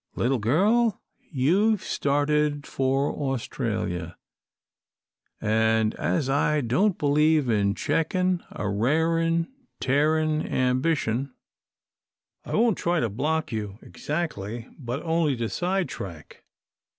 "] "Little girl, you've started for Australia, and as I don't believe in checking a raring, tearing ambition, I won't try to block you, exactly, but only to sidetrack.